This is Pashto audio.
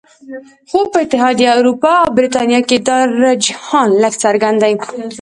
خو په اتحادیه اروپا او بریتانیا کې دا رجحان لږ څرګند دی